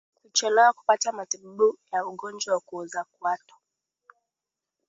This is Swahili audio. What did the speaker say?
Kuchelewa kupata matibabu ya ugonjwa wa kuoza kwato